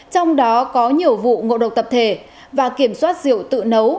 trong đó có nhiều vụ ngộ độc tập thể và kiểm soát rượu tự nấu